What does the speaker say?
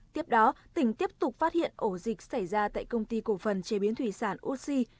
tiếp đó tỉnh tiếp tục phát hiện ổ dịch xảy ra tại công ty cổ phần chế biến thủy sản ussi